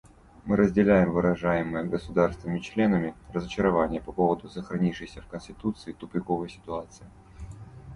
Мы разделяем выражаемое государствами-членами разочарование по поводу сохраняющейся в Конференции тупиковой ситуации.